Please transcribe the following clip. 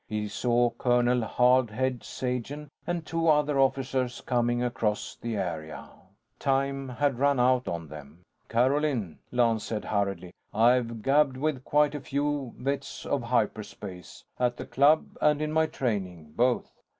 He saw Colonel "Hard Head" Sagen and two other officers coming across the area. Time had run out on them. "Carolyn," Lance said, hurriedly. "I've gabbed with quite a few vets of hyperspace. At the Club and in my training, both.